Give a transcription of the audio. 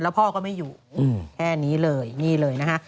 พ่อก็ไม่อยู่แค่นี้เลยนี่เลยนะคะ